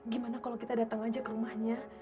gimana kalau kita datang aja ke rumahnya